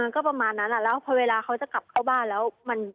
ก็ประมาณนั้นแล้วพอเวลาเขาจะกลับเข้าบ้านแล้ว